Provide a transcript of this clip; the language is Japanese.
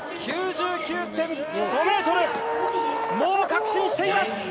９９．５ｍ、もう確信しています。